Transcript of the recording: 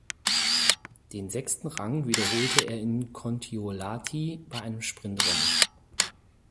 Den sechsten Rang wiederholte er in Kontiolahti bei einem Sprintrennen.